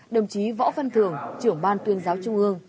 đồng chí võ văn thường trưởng ban tuyên giáo trung ương